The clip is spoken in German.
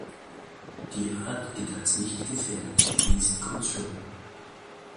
Die Art gilt als nicht gefährdet (least concern).